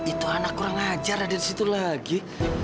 itu anak kurang ajar ada di situ lagi